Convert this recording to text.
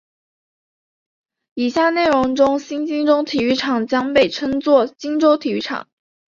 以下内容中新金州体育场将被称作金州体育场。